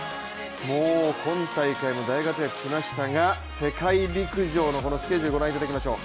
もう今大会も大活躍しましたが、世界陸上のスケジュールご覧いただきましょう。